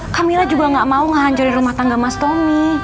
kamila juga gak mau nganjurin rumah tangga mas tommy